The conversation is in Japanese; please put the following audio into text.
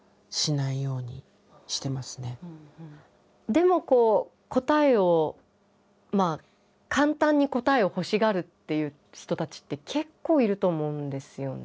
でも答えを簡単に答えを欲しがるっていう人たちって結構いると思うんですよね。